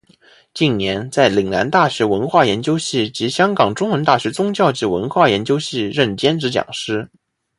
近年在岭南大学文化研究系及香港中文大学宗教及文化研究系任兼职讲师。